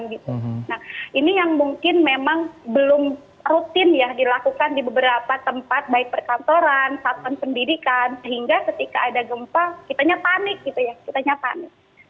nah ini yang mungkin memang belum rutin ya dilakukan di beberapa tempat baik perkantoran satuan pendidikan sehingga ketika ada gempa kitanya panik gitu ya kitanya panik